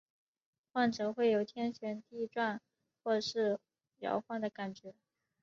患者会有天旋地转或是摇晃的感觉。